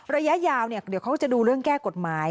ระยะยาวเดี๋ยวเขาจะดูเรื่องแก้กฎหมาย